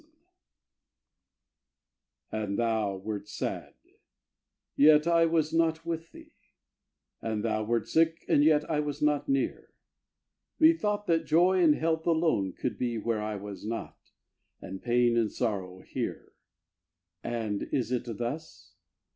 And thou wert sad yet I was not with thee; And thou wert sick, and yet I was not near; Methought that Joy and Health alone could be Where I was not and pain and sorrow here! And is it thus?